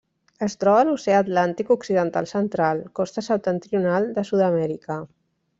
Es troba a l'Oceà Atlàntic occidental central: costa septentrional de Sud-amèrica.